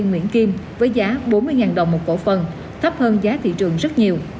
công ty nguyễn kim với giá bốn mươi đồng một cổ phần thấp hơn giá thị trường rất nhiều